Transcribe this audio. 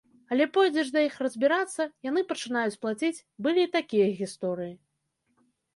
Але пойдзеш да іх разбірацца, яны пачынаюць плаціць, былі і такія гісторыі.